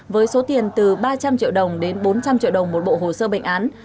với số tiền từ ba trăm linh triệu đồng đến bốn trăm linh triệu đồng một bộ hồ sơ bệnh án